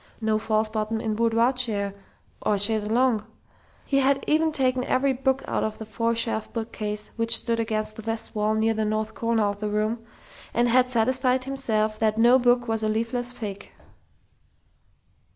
No false bottom in boudoir chair or chaise longue.... He had even taken every book out of the four shelf bookcase which stood against the west wall near the north corner of the room, and had satisfied himself that no book was a leafless fake.